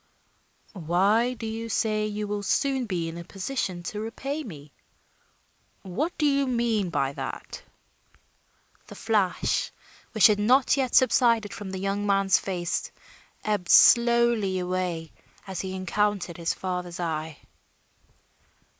"Why do you say you will soon be in a position to repay me? What do you mean by that?" The flash, which had not yet subsided from the young man's face, ebbed slowly away as he encountered his father's eye.